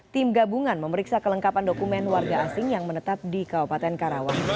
tim gabungan memeriksa kelengkapan dokumen warga asing yang menetap di kabupaten karawang